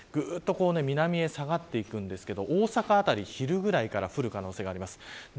南へ下がっていくんですが大阪辺り、昼ぐらいから降る可能性があります。